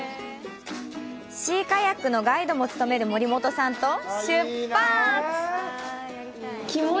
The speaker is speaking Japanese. シーカヤックのガイドも務める森本さんと出発！